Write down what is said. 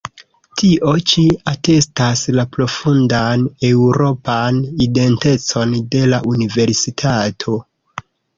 Tio ĉi atestas la profundan eŭropan identecon de la Universitato.